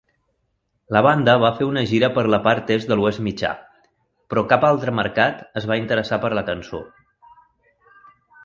La banda va fer una gira per la part est de l'Oest Mitjà, però cap altre mercat es va interessar per la cançó.